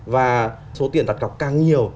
và số tiền đặt gọc càng nhiều